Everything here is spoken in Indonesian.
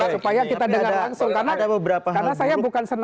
karena saya bukan senayan yang bisa memahami perasaan mereka